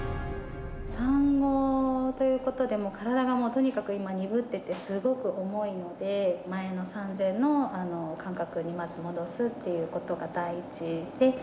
産後ということで、もう体がとにかく今、鈍ってて、すごく重いので、前の産前の感覚にまず戻すということが第一で。